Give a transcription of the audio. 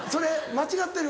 間違ってる？